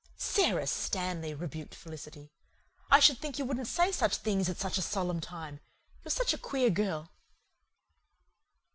"Sara Stanley," rebuked Felicity. "I should think you wouldn't say such things at such a solemn time. You're such a queer girl."